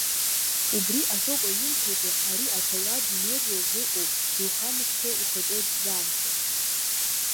Убри азоуп аҩымҭаҿы ари аҭауад инырра зыҟоу, духамышҭуа ухаҿы дзаанхо.